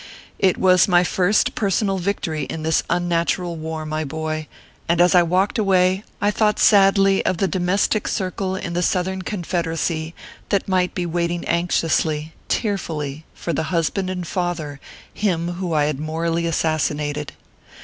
It was my first personal victory in this unnatural war, my boy, and as I walked away I thought sadly of the domestic circle in the Southern Confederacy that might be waiting anxiously, tearfully, for the husband and father him whom I had morally assas sinated.